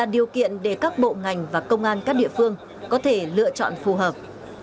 điều kiện để các bộ ngành và công an các địa phương có thể lựa chọn phù hợp